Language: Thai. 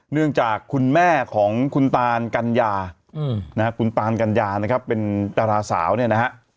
เนื่องจากคุณแม่ของคุณตานกัญญานะฮะคุณตานกัญญานะครับเป็นดาราสาวเนี่ยนะฮะ